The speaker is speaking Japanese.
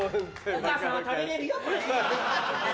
お母さんは食べれるよ。